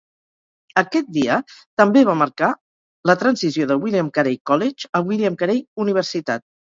Aquest dia també va marcar la transició de William Carey "College" a William Carey "Universitat.